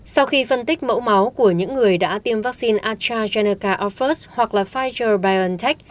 sau khi phân tích mẫu máu của những người đã tiêm vaccine astrazeneca or pfizer biontech